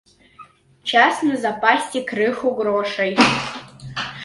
Час назапасіць крыху грошай.